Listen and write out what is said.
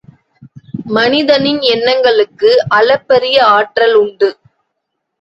மனிதனின் எண்ணங்களுக்கு அளப்பரிய ஆற்றல் உண்டு.